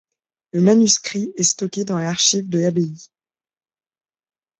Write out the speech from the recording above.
Le manuscrit est stocké dans l'archive de l'Abbaye.